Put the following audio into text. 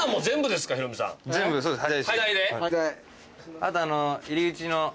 あと。